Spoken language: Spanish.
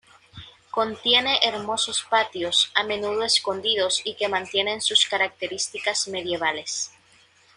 Contiene hermosos patios, a menudo escondidos y que mantienen sus características medievales.